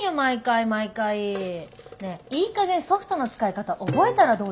ねえいいかげんソフトの使い方覚えたらどうですか？